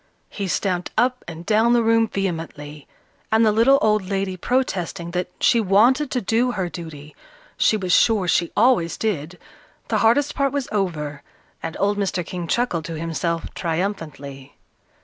He stamped up and down the room vehemently, and the little old lady protesting that she wanted to do her duty, she was sure she always did, the hardest part was over, and old Mr. King chuckled to himself triumphantly.